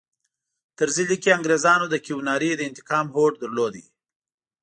طرزي لیکي انګریزانو د کیوناري د انتقام هوډ درلود.